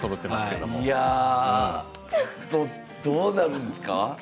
どうなるんですか？